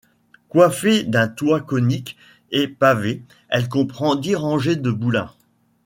Coiffée d'un toit conique et pavée, elle comprend dix rangée de boulins.